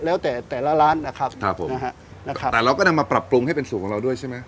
แล้วแต่แต่ละร้านนะครับครับผมนะฮะนะครับแต่เราก็นำมาปรับปรุงให้เป็นสูตรของเราด้วยใช่ไหม